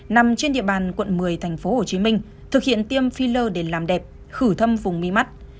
nằm trên địa bàn quận một mươi tp hcm thực hiện tiêm filler để làm đẹp khử thâm vùng mi mắt